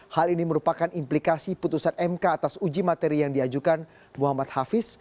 hal ini merupakan implikasi putusan mk atas uji materi yang diajukan muhammad hafiz